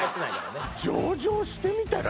上場してみたら？